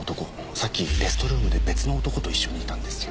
さっきレストルームで別の男と一緒にいたんですよ。